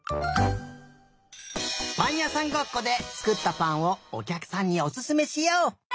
ぱんやさんごっこでつくったぱんをおきゃくさんにおすすめしよう！